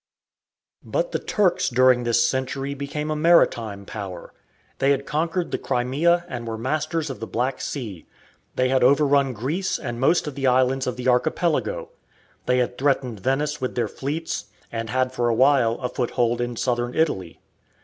But the Turks during this century became a maritime power. They had conquered the Crimea and were masters of the Black Sea. They had overrun Greece and most of the islands of the Archipelago. They had threatened Venice with their fleets, and had for a while a foothold in Southern Italy.